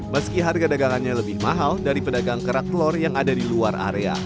meski harga dagangannya lebih mahal dari pedagang kerak telur yang ada di luar area